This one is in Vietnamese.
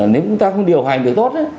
nếu chúng ta không điều hành được tốt